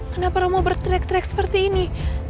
kenapa romo bertrek trek seperti ini